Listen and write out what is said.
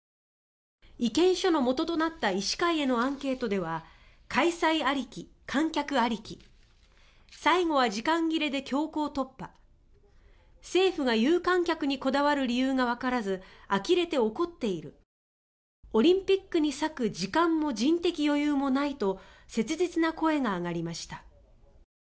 意見書のもととなった医師会へのアンケートでは開催ありき、観客ありき最後は時間切れで強行突破政府が有観客にこだわる理由がわからず、あきれて怒っているオリンピックに割く時間も人的余裕もないと切実な声が上がりました。